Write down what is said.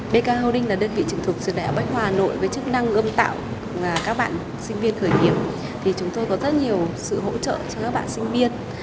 bk holding là đơn vị trực thuộc trường đại học bách khoa hà nội với chức năng ươm tạo các bạn sinh viên khởi nghiệp thì chúng tôi có rất nhiều sự hỗ trợ cho các bạn sinh viên